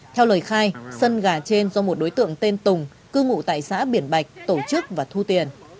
theo lời khai sân gà trên do một đối tượng tên tùng cư ngụ tại xã biển bạch tổ chức và thu tiền